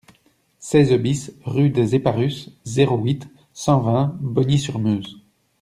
seize BIS rue des Eparus, zéro huit, cent vingt, Bogny-sur-Meuse